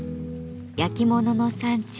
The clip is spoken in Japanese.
焼き物の産地